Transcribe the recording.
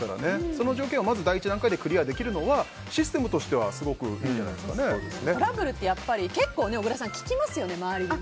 その条件を第一段階でクリアできるのはシステムとしてトラブルって結構小倉さん、聞きますよね、周りで。